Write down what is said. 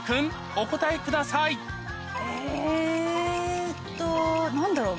お答えくださいえっと何だろう？